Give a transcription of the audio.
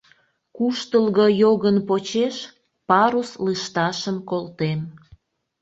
Куштылго йогын почеш Парус лышташым колтем.